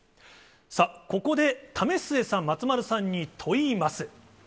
さあ、ここで為末さん、松丸さんに問います。